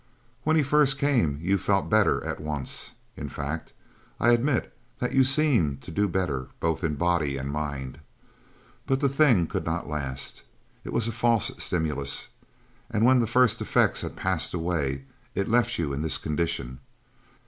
When he first came you felt better at once in fact, I admit that you seemed to do better both in body and mind. But the thing could not last. It was a false stimulus, and when the first effects had passed away, it left you in this condition.